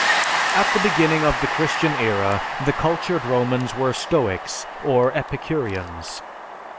At the beginning of the Christian era, the cultured Romans were stoics or epicureans.